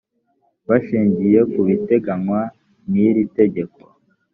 bashingiye ku biteganywa n iri tegeko